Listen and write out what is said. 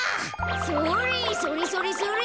それそれそれそれ。